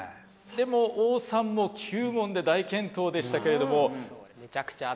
でも王さんも９問で大健闘でしたけれども。